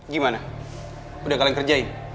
gimana udah kalian kerjain